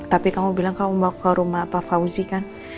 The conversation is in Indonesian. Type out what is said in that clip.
tapi kamu bilang kamu mau ke rumah pak fauzi kan